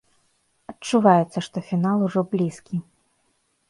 Адчуваецца, што фінал ужо блізкі.